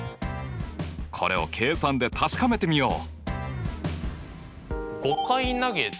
これを計算で確かめてみよう。